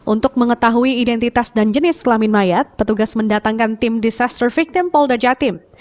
untuk mengetahui identitas dan jenis kelamin mayat petugas mendatangkan tim disaster victim polda jatim